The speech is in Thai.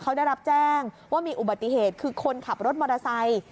เขาได้รับแจ้งว่ามีอุบัติเหตุคือคนขับรถมอเตอร์ไซค์